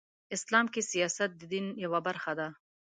اسلام کې سیاست د دین یوه برخه ده .